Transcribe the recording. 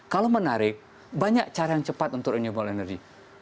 kalau menarik banyak cara yang cepat untuk renewable energy